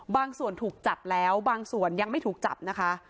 ถูกจับแล้วบางส่วนยังไม่ถูกจับนะคะ